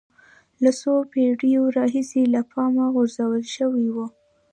له څو پېړیو راهیسې له پامه غورځول شوی و